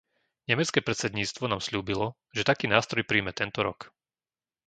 Nemecké predsedníctvo nám sľúbilo, že taký nástroj prijme tento rok.